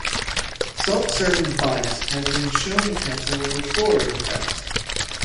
Self-serving bias has been shown to cancel the Forer effect.